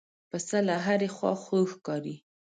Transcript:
پسه له هرې خوا خوږ ښکاري.